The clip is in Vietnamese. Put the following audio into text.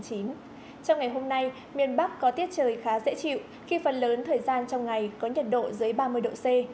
trong ngày hôm nay miền bắc có tiết trời khá dễ chịu khi phần lớn thời gian trong ngày có nhiệt độ dưới ba mươi độ c